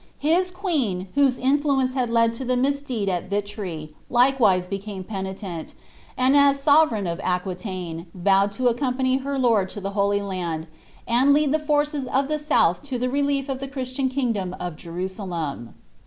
tiis quecu, whose inSueuce had led to llie misdeed il Vitry, likewise becatne penitent, and as sovereign of Aquiiaiue, vowed M accompany her lord lo the Holy Land, and lead the forces of the Suudi to the relief of the Chrisiian kingdom of Jerusalem.